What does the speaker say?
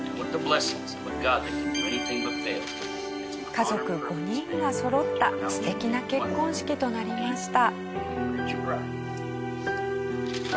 家族５人が揃った素敵な結婚式となりました。